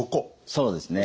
そうですね。